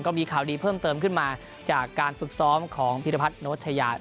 มีข่าวดีเพิ่มเติมขึ้นมาจากการฝึกซ้อมของพิรพัฒนโชชยา